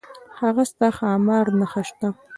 ستا څخه د ښامار نخښه شته؟